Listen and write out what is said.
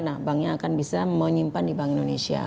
nah banknya akan bisa menyimpan di bank indonesia